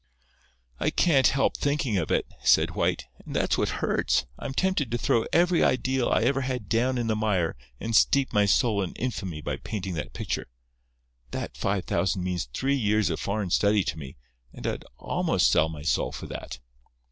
"I can't help thinking of it," said White, "and that's what hurts. I'm tempted to throw every ideal I ever had down in the mire, and steep my soul in infamy by painting that picture. That five thousand meant three years of foreign study to me, and I'd almost sell my soul for that."